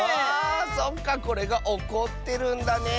そっかこれがおこってるんだねえ。